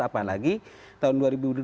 apalagi tahun dua ribu delapan belas